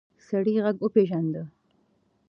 سړی غږ وپېژاند.